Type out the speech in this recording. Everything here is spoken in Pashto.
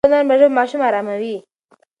د مور نرمه ژبه ماشوم اراموي.